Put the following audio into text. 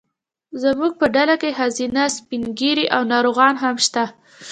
زموږ په ډله کې ښځینه، سپین ږیري او ناروغان هم شته.